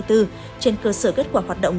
trên cơ sở kết quả hoạt động